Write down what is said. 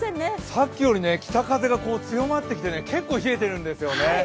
さっきより北風が強まってきて結構冷えているんですよね